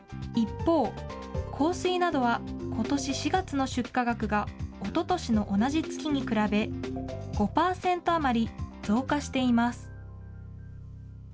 一方、香水などはことし４月の出荷額が、おととしの同じ月に比べ、５％余り増加しています。